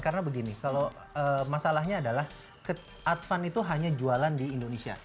karena begini kalau masalahnya adalah advan itu hanya jualan di indonesia